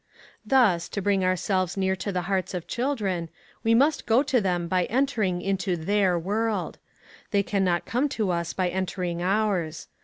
Thus, to bring ourselves near to the hearts of children, we must go to them by entering into their world. They can not come to us by entering ours.